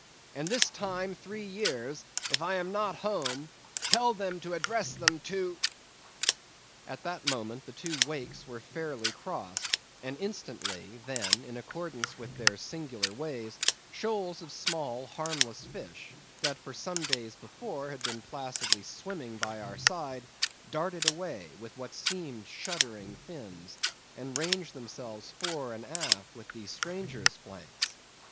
and this time three years, if I am not at home, tell them to address them to ——" At that moment the two wakes were fairly crossed, and instantly, then, in accordance with their singular ways, shoals of small harmless fish, that for some days before had been placidly swimming by our side, darted away with what seemed shuddering fins, and ranged themselves fore and aft with the stranger's flanks.